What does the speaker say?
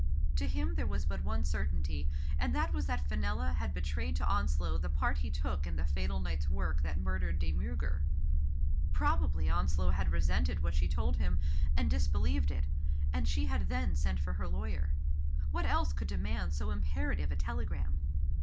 To him there was but one certainty, and that was that Fenella had betrayed to Onslow the part he took in the fatal night's work that murdered De Miirger. Probably Onslow had resented what she told him, and disbelieved it, and she had then sent for her lawyer. What else could de mand so imperative a telegram